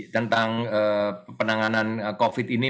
tentang penanganan covid ini